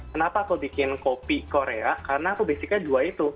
kenapa aku bikin kopi korea karena aku basicnya dua itu